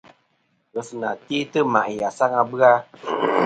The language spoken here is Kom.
Ghesɨnà te'tɨ ma'i asaŋ a bɨ-a.